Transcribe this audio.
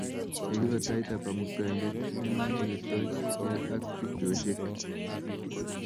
Ye kibe taitab Kamuktaindet kenaan kesochikei ak tupchoshechok